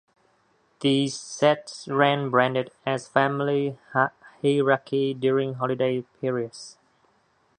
These sets ran branded as "Family Hikari" during holiday periods.